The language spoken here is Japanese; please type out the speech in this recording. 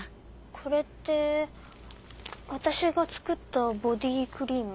これって私が作ったボディークリーム。